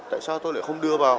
tại sao tôi lại không đưa vào